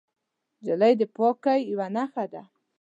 نجلۍ د پاکۍ یوه نښه ده.